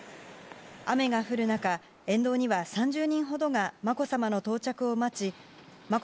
雨が降る中、沿道には３０人ほどがまこさまの到着を待ちまこ